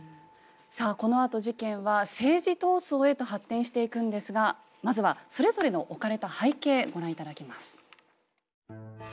このあと事件は政治闘争へと発展していくんですがまずはそれぞれの置かれた背景ご覧頂きます。